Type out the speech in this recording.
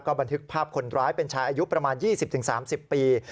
บันทึกภาพคนร้ายเป็นชายอายุประมาณ๒๐๓๐ปี